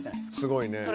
すごいね。